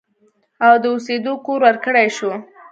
او د اوسېدو کور ورکړی شو